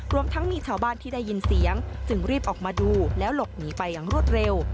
รวมทั้งมีชาวบ้านที่ได้ยินเสียงจึงรีบออกมาดูแล้วหลบหนีไปอย่างรวดเร็ว